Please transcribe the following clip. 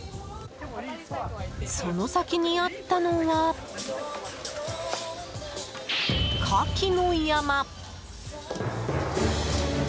その先にあったのは、カキの山！